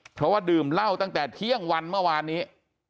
เพราะว่าดื่มเหล้าตั้งแต่เที่ยงวันเมื่อวานนี้